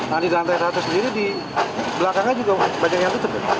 nah di lantai satu sendiri di belakangnya juga banyak yang tutup ya